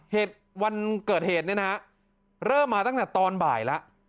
เหตุวันเกิดเหตุเนี่ยนะฮะเริ่มมาตั้งแต่ตอนบ่ายแล้ว